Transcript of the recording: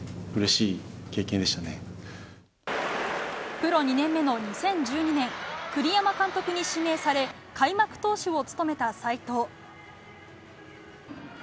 プロ２年目の２０１２年栗山監督に指名され開幕投手を務めた斎藤。